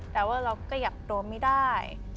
แต่ว่าเราขยับตัวไม่ได้